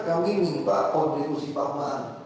kami minta kontribusi pahaman